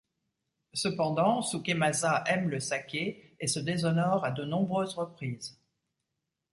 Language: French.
Cependant, Sukemasa aime le saké et se déshonore à de nombreuses reprises.